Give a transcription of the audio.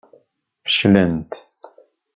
Feclent.